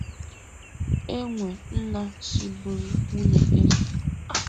e nwe nna si bụrụ nwunye eze.